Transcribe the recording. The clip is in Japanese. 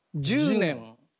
１０年。